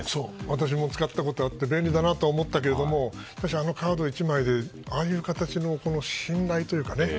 私も使ったことがあって便利だなと思ったけどしかしあのカード１枚でああいう形の信頼というかね